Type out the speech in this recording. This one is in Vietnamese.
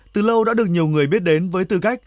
từ lâu đã được nhiều người biết đến với tư cách